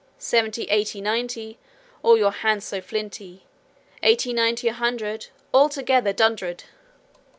'Seventy, eighty, ninety, All your hands so flinty! Eighty, ninety, hundred, Altogether dundred!'